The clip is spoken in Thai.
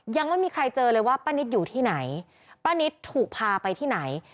ยังไม่มีใครเจอเลยว่าป้านิตอยู่ที่ไหนป้านิตถูกพาไปที่ไหน